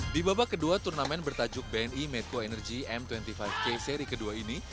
di babak kedua turnamen bertajuk bni medco energy m dua puluh lima k seri kedua ini